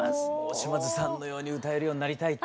島津さんのように歌えるようになりたいって。